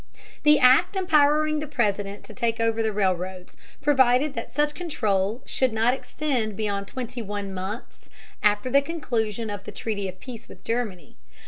The Act empowering the President to take over the railroads provided that such control should not extend beyond twenty one months after the conclusion of the treaty of peace with Germany.